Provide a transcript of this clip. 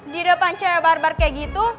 di depan cewek barbar kayak gitu